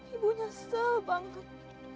ibu nyesel banget